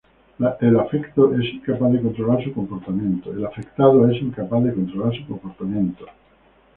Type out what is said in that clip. El afectado es incapaz de controlar su comportamiento.